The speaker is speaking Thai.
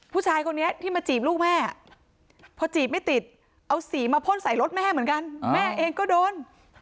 ผู้ชายคนนี้ที่มาจีบลูกแม่พอจีบไม่ติดเอาสีมาพ่นใส่รถแม่เหมือนกันแม่เองก็โดน